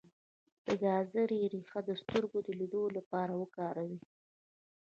د ګازرې ریښه د سترګو د لید لپاره وکاروئ